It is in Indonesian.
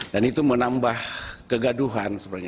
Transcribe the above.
dan itu menambah kegaduhan sebenarnya